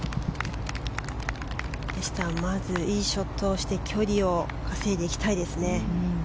でしたらまず、いいショットをして距離を稼いでいきたいですね。